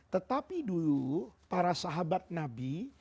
tetapi dulu para sahabat nabi